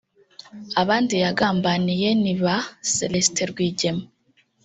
Abandi yagambaniye niba Celestin Rwigema